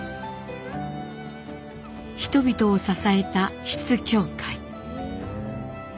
人々を支えた出津教会。